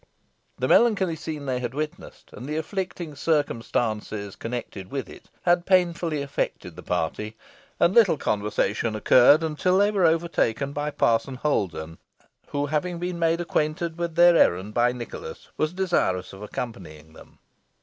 The melancholy scene they had witnessed, and the afflicting circumstances connected with it, had painfully affected the party, and little conversation occurred until they were overtaken by Parson Holden, who, having been made acquainted with their errand by Nicholas, was desirous of accompanying them.